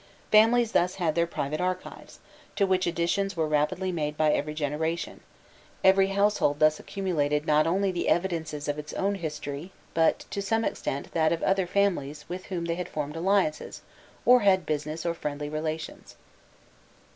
Families thus had their private archives, to which additions were rapidly made by every generation; every household thus accumulated not only the evidences of its own history, but to some extent that of other families with whom they had formed alliances, or had business or friendly relations.